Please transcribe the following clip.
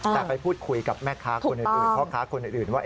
แต่ไปพูดคุยกับแม่ค้าคนอื่นพ่อค้าคนอื่นว่า